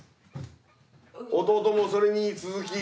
弟もそれに続き。